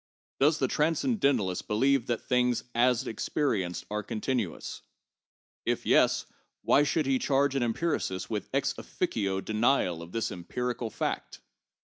Does the transcendentalist believe that things as experienced are continuous? If yes, why should he charge an empiricist with ex officio denial of this empirical fact